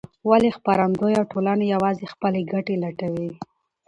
ولې خپرندویه ټولنې یوازې خپلې ګټې لټوي؟